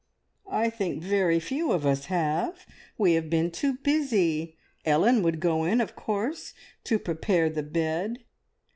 "I think very few of us have. We have been too busy. Ellen would go in, of course, to prepare the bed.